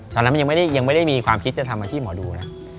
ตอนนั้นมันยังไม่ได้มีความคิดจะทำอาชีพหมอดูนะ